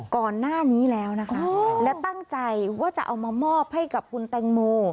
ก่อนหน้านี้แล้วนะคะและตั้งใจว่าจะเอามามอบให้กับคุณแตงโม